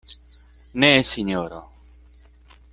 Ne, sinjoro.